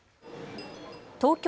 東京